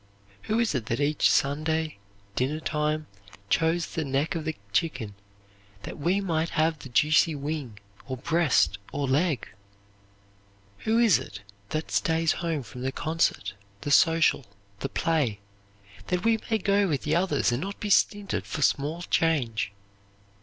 Who is it that each Sunday dinner time chose the neck of the chicken that we might have the juicy wing or breast or leg? Who is it stays home from the concert, the social, the play, that we may go with the others and not be stinted for small change?